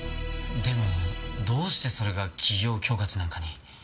でもどうしてそれが企業恐喝なんかに？